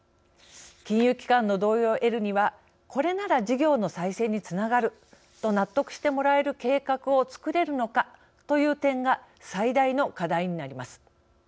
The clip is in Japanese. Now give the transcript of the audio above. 金融機関の同意を得るにはこれなら事業の再生につながると納得してもらえる計画をつくれるのかという点が最大の課題になります。